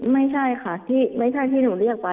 ไม่ใช่ค่ะที่ไม่ใช่ที่หนูเรียกไป